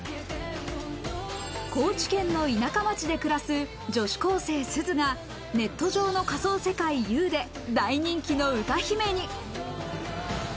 高知県の田舎町で暮らす女子高生・すずが、ネット上の仮想世界Ｕで大人気の歌姫に。